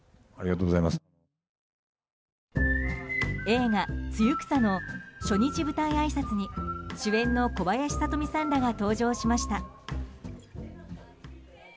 映画「ツユクサ」の初日舞台あいさつに主演の小林聡美さんらが登場しました。